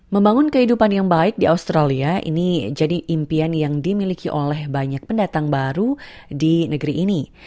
membangun kehidupan yang baik di australia ini jadi impian yang dimiliki oleh banyak pendatang baru di negeri ini